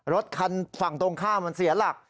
รถคันฝั่งตรงข้ามมันเสียหลัก